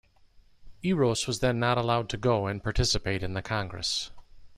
Eros was then not allowed to go and participate in the congress.